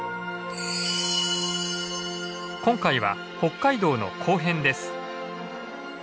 今回は北海道の後編です。